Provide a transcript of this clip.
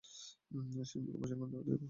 সিম্বাকে প্রশিক্ষণ দিব?